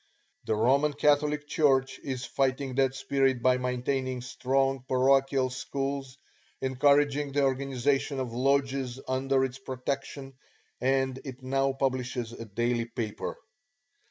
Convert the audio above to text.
The Roman Catholic Church is fighting that spirit by maintaining strong parochial schools, encouraging the organization of lodges under its protection, and it now publishes a daily paper.